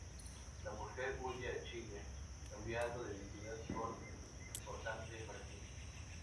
La mujer huye a Chile, cambiando de identidad, con un importante maletín.